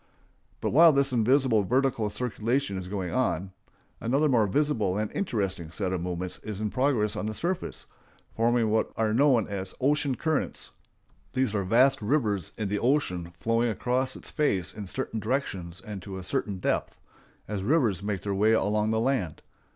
But while this invisible vertical circulation is going on, another more visible and interesting set of movements is in progress on the surface, forming what are known as ocean currents. These are vast rivers in the ocean flowing across its face in certain directions and to a certain depth, as rivers make their way along the land.